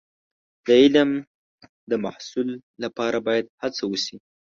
د علم د حصول لپاره باید هڅه وشي.